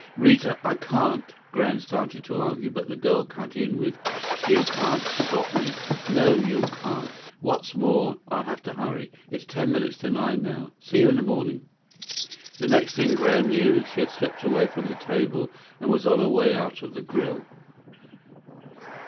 "Rita, I can't " Graham started to argue, but the girl cut in with, "You can't stop me? No, you can't. What's more, I'll have to hurry. It's ten minutes to nine now. See you in the morning." The next thing Graham knew she had slipped away from the table and was on her way out of the grille.